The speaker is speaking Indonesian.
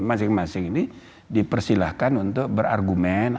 masing masing ini dipersilahkan untuk berargumen